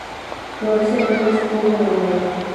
Florece apenas funde la nieve.